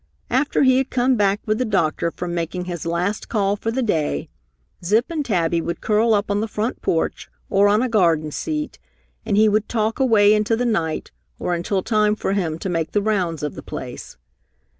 After he had come back with the doctor from making his last call for the day, Zip and Tabby would curl up on the front porch or on a garden seat and he would talk away into the night or until time for him to make the rounds of the place.